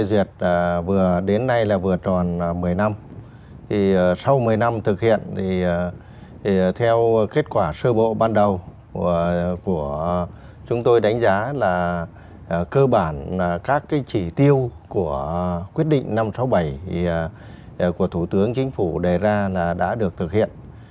sau một mươi năm thực hiện theo kết quả sơ bộ ban đầu của chúng tôi đánh giá là cơ bản các chỉ tiêu của quyết định năm trăm sáu mươi bảy của thủ tướng chính phủ đề ra đã được thực hiện